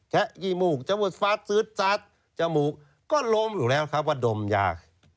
แค่กี่มูกจมูกก็ลมอยู่แล้วครับว่าดมยา